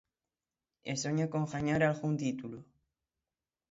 E soña con gañar algún título.